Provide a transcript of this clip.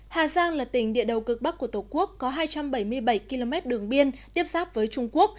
hà giang là tỉnh địa đầu cực bắc của tổ quốc có hai trăm bảy mươi bảy km đường biên tiếp giáp với trung quốc